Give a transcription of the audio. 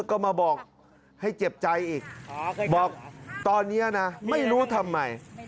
ก็มาบอกให้เจ็บใจอีกบอกตอนนี้นะไม่รู้ทำไม